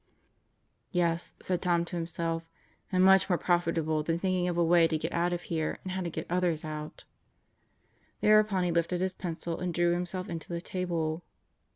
"Yes," said Tom to himself, "and much more profitable than thinking of a way to get out of here and how to get others out." Thereupon he lifted his pencil and drew himself into the table.